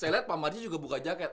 saya lihat pak marji juga buka jaket